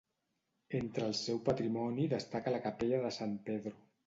Entre el seu patrimoni destaca la capella de San Pedro.